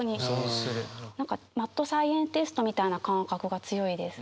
何かマッドサイエンティストみたいな感覚が強いです。